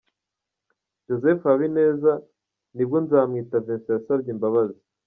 Joseph Habineza, ni bwo Nzamwita Vincent yasabye imbabazi.